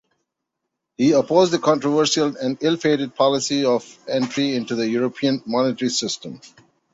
He opposed the controversial and ill-fated policy of entry into the European Monetary System.